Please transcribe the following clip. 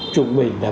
trụng bình là